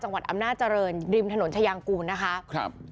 จังหวัดอำนาจริงริมถนนชายางกูลนะคะครับ